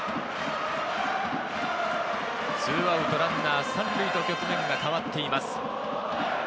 ２アウトランナー３塁と局面が変わっています。